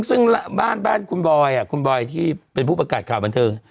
ซึ่งบ้านคุณบอยอ่ะที่เป็นผู้ประกาศขาวบรรเทิง